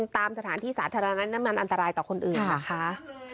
ตามสถานที่สาธารณะน้ำมันอันตรายต่อคนอื่นเหรอคะ